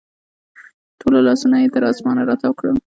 ټوله لاسونه یې تر اسمان راتاو کړل